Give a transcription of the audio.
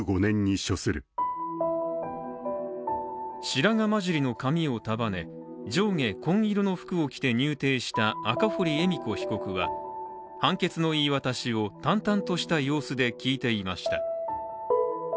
白髪まじりの髪を束ね、上下紺色の服を着て入廷した赤堀恵美子被告は判決の言い渡しを淡々とした様子で聞いていました。